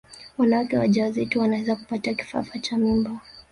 wanawake wajawazito wanaweza kupata kifafa cha mimba